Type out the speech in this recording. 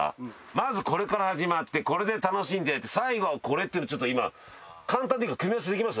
まずこれから始まってこれで楽しんで最後はこれっていうのをちょっと今簡単でいいから組み合わせできます？